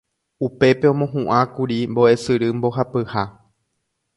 upépe omohu'ãkuri mbo'esyry mbohapyha